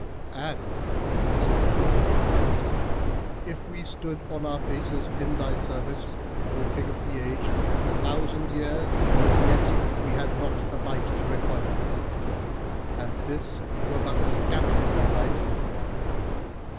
'" "And" (resumed Salih the Pious) "if we stood on our faces in thy service, O King of the Age, a thousand years, yet had we not the might to requite thee, and this were but a scantling of thy due."